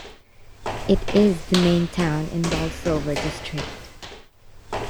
It is the main town in the Bolsover district.